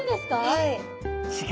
はい。